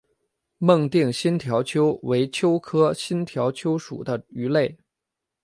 孟定新条鳅为鳅科新条鳅属的鱼类。